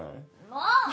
もう！